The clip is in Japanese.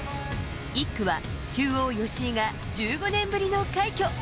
１区は中央・吉居が１５年ぶりの快挙。